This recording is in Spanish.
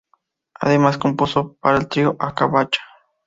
Además compuso para el trío Aka Pacha.